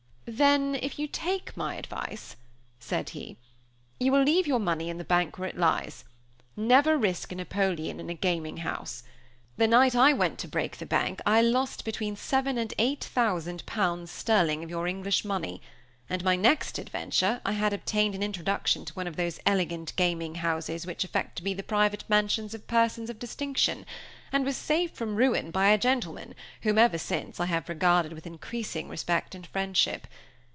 "Then if you take my advice," said he, "you will leave your money in the bank where it lies. Never risk a Napoleon in a gaming house. The night I went to break the bank I lost between seven and eight thousand pounds sterling of your English money; and my next adventure, I had obtained an introduction to one of those elegant gaming houses which affect to be the private mansions of persons of distinction, and was saved from ruin by a gentleman whom, ever since, I have regarded with increasing respect and friendship.